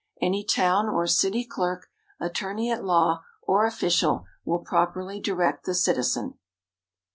Any town or city clerk, attorney at law, or official will properly direct the citizen.